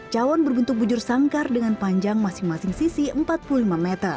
cawan berbentuk bujur sangkar dengan panjang masing masing sisi empat puluh lima meter